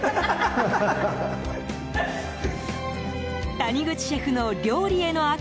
谷口シェフの料理への飽く